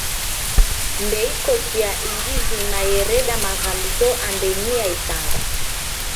Ndeiko chia ingi zima yereda maghaluso andenyi ya isanga.